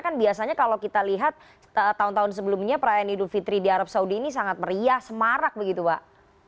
kan biasanya kalau kita lihat tahun tahun sebelumnya perayaan idul fitri di arab saudi ini sangat meriah semarak begitu pak